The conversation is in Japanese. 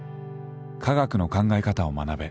科学の考え方を学べ。